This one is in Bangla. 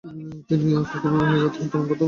তিনি আর কখনো এ আঘাত থেকে উত্তরণ ঘটাতে সমর্থ হননি।